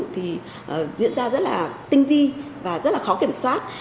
thì diễn ra rất là tinh vi và rất là khó kiểm soát